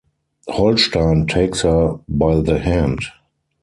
Holstein takes her by the hand.